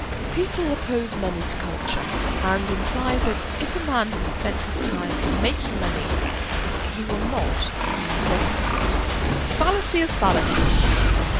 People oppose money to culture, and imply that if a man has spent his time in making money he will not be cultivated—fallacy of fallacies!